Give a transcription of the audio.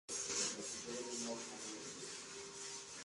Sin embargo, Chow Yun-Fat tiene una ahijada, Celine Ng.